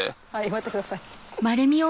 割ってください。